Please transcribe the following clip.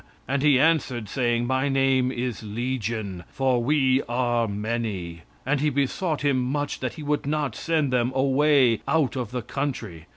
And he answered saying, My name is Legion: for we are many. "And he besought him much that he would not send them away out of the country.